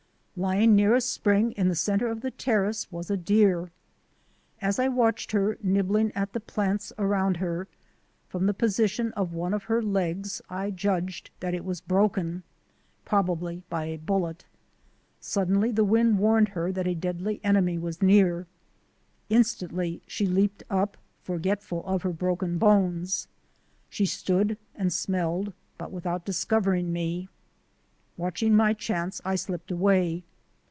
Lying near a spring in the centre of the terrace was a deer. As I watched her, nibbling at the plants around her, from the position of one of her legs I judged that it was broken, probably by a bullet. Suddenly the wind warned her that a deadly enemy was near. Instantly she leaped up, forgetful of her broken bones. She stood and smelled, but without discovering me. Watching my chance I slipped away.